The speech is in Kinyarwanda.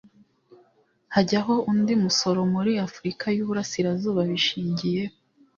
hajyaho undi musoro muri afurika y uburasirazuba bishingiye